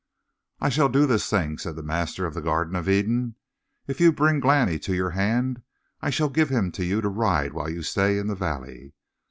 "I shall do this thing," said the master of the Garden of Eden. "If you bring Glani to your hand I shall give him to you to ride while you stay in the valley.